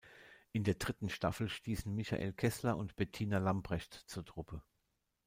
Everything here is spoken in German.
In der dritten Staffel stießen Michael Kessler und Bettina Lamprecht zur Truppe.